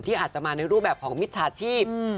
อาจจะมาในรูปแบบของมิจฉาชีพ